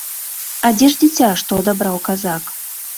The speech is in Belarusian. А дзе ж дзіця, што адабраў казак?